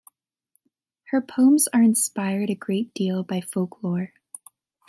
Her poems are inspired a great deal by folklore.